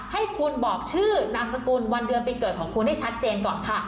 ให้คุณบอกชื่อนามสกุลวันเดือนปีเกิดของคุณให้ชัดเจนก่อนค่ะ